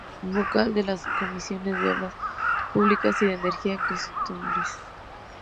Vocal de las Comisiones de Obras Públicas y de Energía y Combustibles.